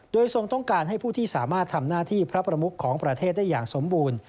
โดยทรงต้องการให้ผู้ที่สามารถทำหน้าที่พระประมุขของประเทศได้อย่างสมบูรณ์